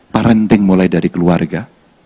parenting mulai dari keluarga